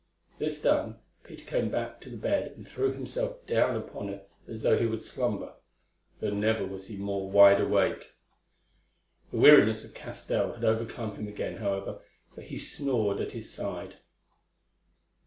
This done, Peter came back to the bed and threw himself down upon it as though he would slumber, though never was he more wide awake. The weariness of Castell had overcome him again, however, for he snored at his side.